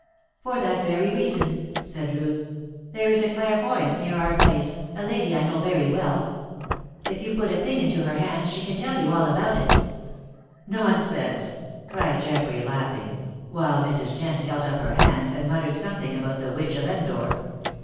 "For that very reason," said Ruth. "There is a clairvoyant near our place, a lady I know very well. If you put a thing into her hands she can tell you all about it." "Nonsense!" cried Geoffrey, laughing, while Mrs. Jent held up her hands and muttered something about the Witch of Endor.